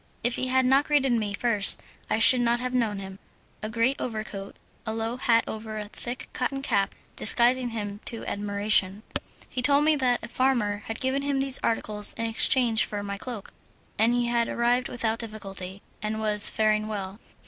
If he had not greeted me first I should not have known him. A great overcoat, a low hat over a thick cotton cap, disguised him to admiration. He told me that a farmer had given him these articles in exchange for my cloak, that he had arrived without difficulty, and was faring well.